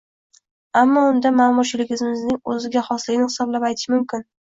Ammo unda, ma’murchiligimizning o‘ziga xosligini hisobga olib aytish mumkin